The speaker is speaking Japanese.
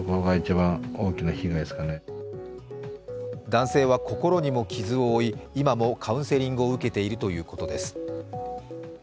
男性は心にも傷を負い今もカウンセリングを受けているということです。